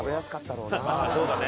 そうだね。